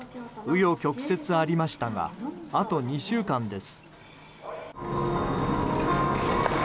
紆余曲折ありましたがあと２週間です。